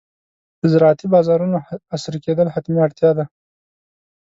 د زراعتي بازارونو عصري کېدل حتمي اړتیا ده.